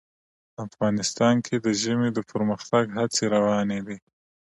افغانستان کې د ژمی د پرمختګ هڅې روانې دي.